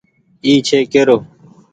اي ڇي ڪيرو ۔